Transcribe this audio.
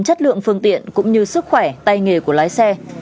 chất lượng phương tiện cũng như sức khỏe tay nghề của lái xe